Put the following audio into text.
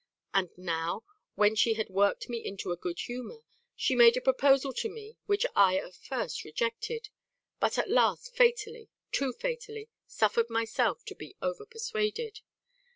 And now, when she had worked me into a good humour, she made a proposal to me which I at first rejected but at last fatally, too fatally, suffered myself to be over persuaded.